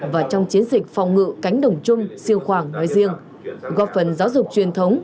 và trong chiến dịch phòng ngự cánh đồng chung siêu khoảng nói riêng góp phần giáo dục truyền thống